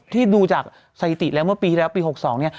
ที่ดูจากสายติแล้วเมื่อปีแล้วปี๖๒